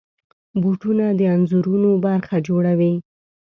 بوټونه د انځورونو برخه جوړوي.